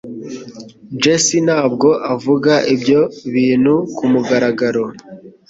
Jessie ntabwo avuga ibyo bintu kumugaragaro.